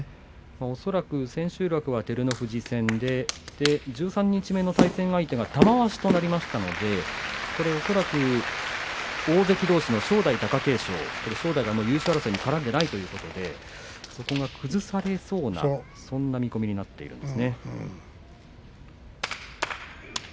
恐らく千秋楽は照ノ富士戦で十三日目の対戦相手は玉鷲となりましたので、恐らく大関どうしの正代、貴景勝正代が優勝争いにかかっていないということでそこが崩されそうなそんな見込みになっています。